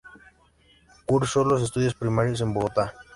Cursó los estudios primarios en Bogotá.